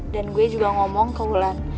dan gue juga ngomong ke ulan